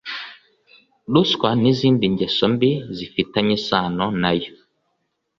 ruswa n'izindi ngeso mbi zifitanye isano nayo